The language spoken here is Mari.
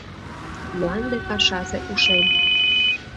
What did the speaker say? Мланде пашазе ушем